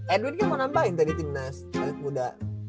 edwin kan mau nambahin tadi timnas balik muda